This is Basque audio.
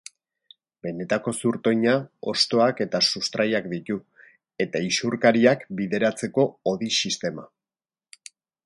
Benetako zurtoina, hostoak eta sustraiak ditu, eta isurkariak bideratzeko hodi-sistema.